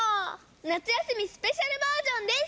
なつやすみスペシャルバージョンです！